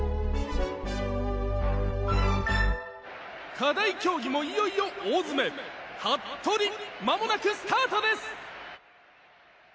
「課題競技もいよいよ大詰め」「ＨＡＴＴＯＲＩまもなくスタートです！」